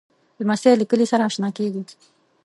لمسی له کلي سره اشنا کېږي.